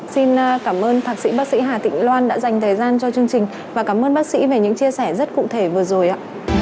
xin cảm ơn thạc sĩ bác sĩ hà tịnh loan đã dành thời gian cho chương trình và cảm ơn bác sĩ về những chia sẻ rất cụ thể vừa rồi ạ